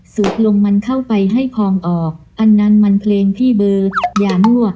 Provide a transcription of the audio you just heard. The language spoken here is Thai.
สุดลงมันเข้าไปให้พองออกอันนั้นมันเพลงพี่เบอร์อย่ามั่ว